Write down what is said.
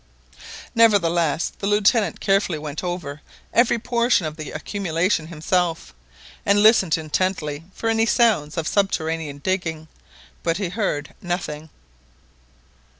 Nevertheless the Lieutenant carefully went over every portion of the accumulation himself, and listened intently for any sounds of subterranean digging, but he heard nothing.